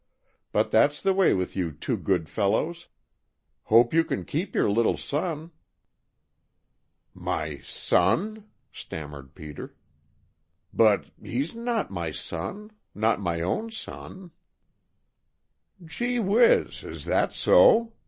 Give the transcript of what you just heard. But that's the way with you too good fellows. Hope you can keep your little son." "My son?" stammered Peter. "But he's not my son not my own son." "Gee whiz! Is that so!"